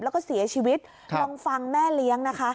แล้วก็เสียชีวิตลองฟังแม่เลี้ยงนะคะ